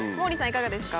いかがですか？